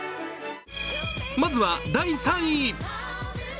まずは第３位。